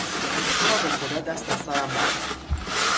تو را به خدا دست از سرم بردار!